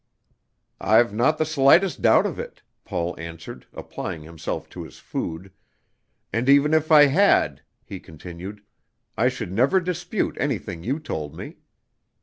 "I've not the slightest doubt of it," Paul answered, applying himself to his food; "and even if I had," he continued, "I should never dispute anything you told me."